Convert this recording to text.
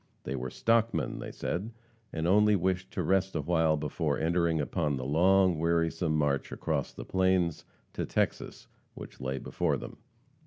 They were "stockmen," they said, and only wished to rest awhile before entering upon the long, wearisome march across the plains to Texas, which lay before them.